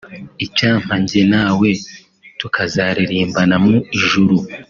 Icyampa njye nawe tukazaririmbana mu ijuru